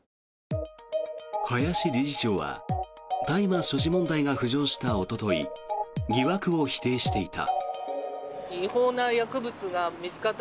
林理事長は大麻所持問題が浮上したおととい疑惑を否定していた。